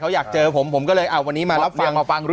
เขาอยากเจอผมผมก็เลยเอาวันนี้มารับฟัง